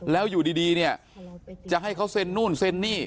แล้วอยู่ดีเนี่ยจะให้เขาเซ็นนู่นเซ็นนี่